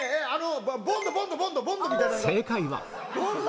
あのボンドボンドボンドボンドみたいな。